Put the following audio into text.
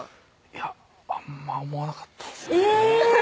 いやあんま思わなかったんです